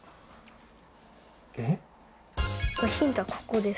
ヒントはここです。